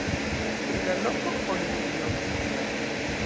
Pri la loko oni nenion scias.